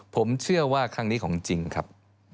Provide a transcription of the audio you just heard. ผมเชื่อว่าครั้งนี้ของจริงครับ